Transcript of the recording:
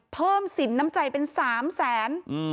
เพิ่มสินน้ำใจเป็น๓แสน